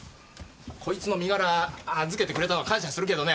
こいつの身柄預けてくれたのは感謝するけどね